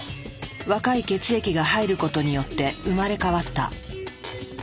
若い血液が入ることによって生まれ変わった。